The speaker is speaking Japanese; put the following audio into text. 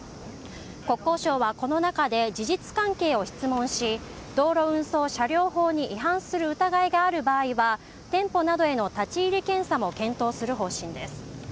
国交省はこの中で事実関係を質問し道路運送車両法に違反する疑いがある場合は店舗などへの立ち入り検査も実施する方針です。